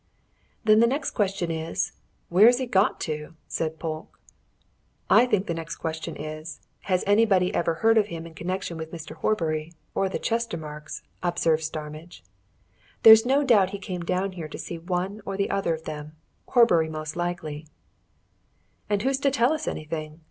"Then the next question is Where's he got to?" said Polke. "I think the next question is Has anybody ever heard of him in connection with Mr. Horbury, or the Chestermarkes?" observed Starmidge. "There's no doubt he came down here to see one or other of them Horbury, most likely." "And who's to tell us anything?"